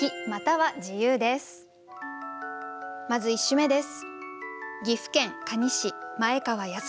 まず１首目です。